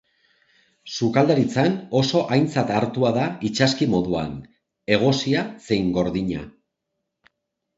Sukaldaritzan oso aintzat hartua da itsaski moduan, egosia zein gordina.